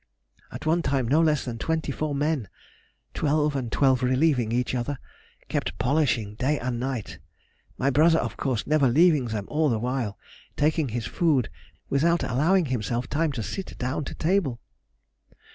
At one time no less than twenty four men (twelve and twelve relieving each other) kept polishing day and night; my brother, of course, never leaving them all the while, taking his food without allowing himself time to sit down to table.